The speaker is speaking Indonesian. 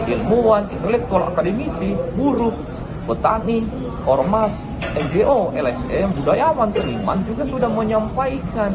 ilmuwan intelektual akademisi buruh petani ormas ngo lsm budayawan seniman juga sudah menyampaikan